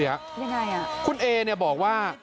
ยังไงอะคุณเอ๋บอกว่า